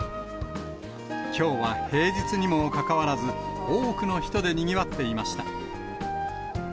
きょうは平日にもかかわらず、多くの人でにぎわっていました。